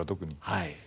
はい。